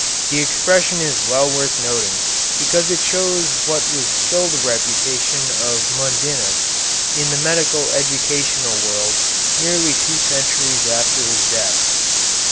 The expression is well worth noting, because it shows what was still the reputation of Mundinus in the medical educational world nearly two centuries after his death.